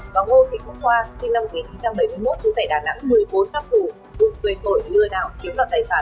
và ngô thịnh quốc hoa sinh năm một nghìn chín trăm bảy mươi một chủ tại đà nẵng một mươi bốn năm tù cũng tuyệt vời lừa đảo chiếm đoạn tài sản